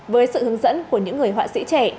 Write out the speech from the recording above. với sự hướng dẫn của những người họa sĩ trẻ